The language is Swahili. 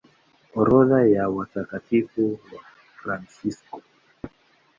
Orodha ya Watakatifu Wafransisko